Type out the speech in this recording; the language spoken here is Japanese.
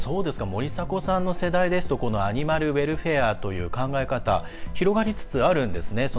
森迫さんの世代ですとアニマルウェルフェアという考え方、広がりつつあるんですね。